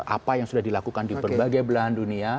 apa yang sudah dilakukan di berbagai belahan dunia